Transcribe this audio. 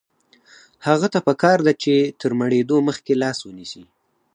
هغه ته پکار ده چې تر مړېدو مخکې لاس ونیسي.